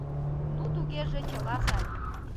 — Ну тугеже чыла сай!